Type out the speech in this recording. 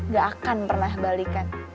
gak akan pernah balikan